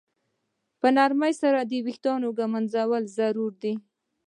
په نرمۍ سره د ویښتانو ږمنځول ضروري دي.